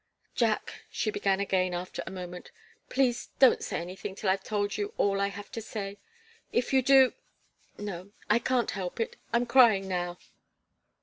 "Jack," she began again, after a moment, "please don't say anything till I've told you all I have to say. If you do no I can't help it I'm crying now."